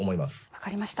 分かりました。